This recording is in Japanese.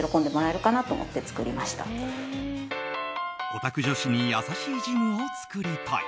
オタク女子に優しいジムを作りたい。